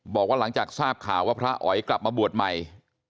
บอกว่าหลังจากทราบข่าวว่าพระอ๋อยกลับมาบวชใหม่